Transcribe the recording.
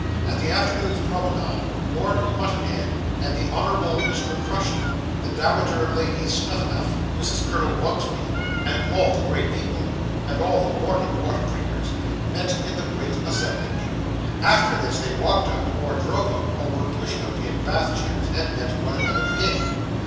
At the afternoon's promenade, Lord Mutanhed, and the Honourable Mr. Crushton, the Dowager Lady Snuphanuph, Mrs. Colonel Wugsby, and all the great people, and all the morning water drinkers, met in grand assemblage. After this, they walked out, or drove out, or were pushed out in bath chairs, and met one another again.